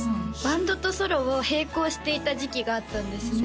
バンドとソロを並行していた時期があったんですね